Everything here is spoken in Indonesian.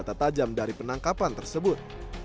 senjata tajam dari penangkapan tersebut